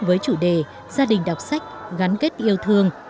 với chủ đề gia đình đọc sách gắn kết yêu thương